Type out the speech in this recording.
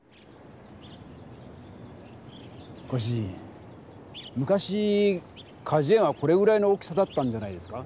ご主人昔かじゅ園はこれぐらいの大きさだったんじゃないですか？